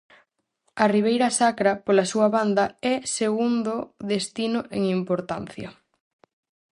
A Ribeira Sacra, pola súa banda, é segundo destino en importancia.